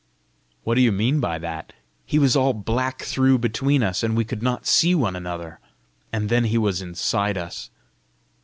"What do you mean by that?" "He was all black through between us, and we could not see one another; and then he was inside us."